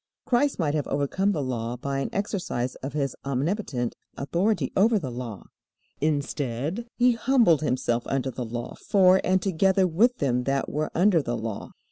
Christ might have overcome the Law by an exercise of His omnipotent authority over the Law. Instead, He humbled Himself under the Law for and together with them that were under the Law.